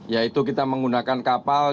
yaitu kita menggunakan kapal